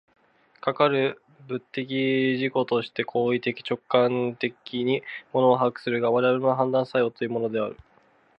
かかる個物的自己として行為的直観的に物を把握するのが、我々の判断作用というものである。